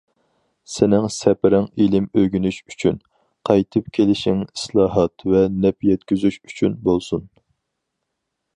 سېنىڭ سەپىرىڭ ئىلىم ئۆگىنىش ئۈچۈن، قايتىپ كېلىشىڭ ئىسلاھات ۋە نەپ يەتكۈزۈش ئۈچۈن بولسۇن!